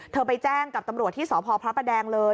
ไปแจ้งกับตำรวจที่สพพระประแดงเลย